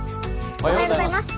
おはようございます。